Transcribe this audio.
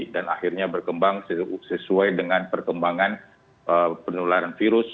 dan akhirnya berkembang sesuai dengan perkembangan penularan virus